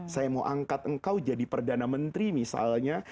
saya mau angkat engkau jadi perdana menteri misalnya